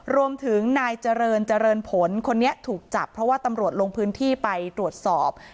รวมถึงนายเจริญเจริญผลคนนี้ถูกจับเพราะว่าตำรวจลงพื้นที่ไปตรวจสอบ